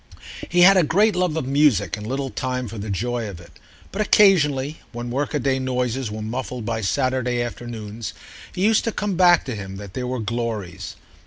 He had a great love of music and little time for the joy of it; but occasionally, when workaday noises were muffled by Saturday afternoons, it used to come back to him that there were glories.